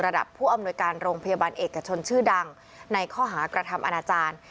ผู้อำนวยการโรงพยาบาลเอกชนชื่อดังในข้อหากระทำอนาจารย์